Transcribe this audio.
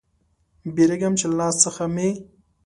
بیریږم چې له لاس څخه مې